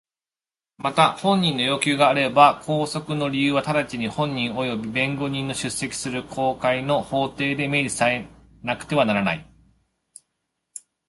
また本人の要求があれば拘束の理由は直ちに本人および弁護人の出席する公開の法廷で明示されなくてはならない。